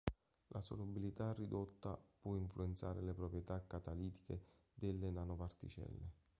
La solubilità ridotta può influenzare le proprietà catalitiche delle nanoparticelle.